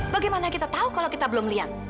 bagaimana kita tahu kalau kita belum lihat